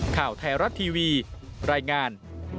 ข่าวไทยรัฐทีวีรายงาน